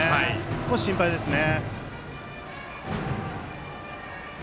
少し心配ですね。